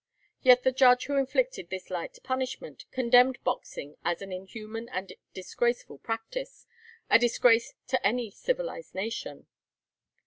Yet the judge who inflicted this light punishment condemned boxing as an inhuman and disgraceful practice, a disgrace to any civilized nation.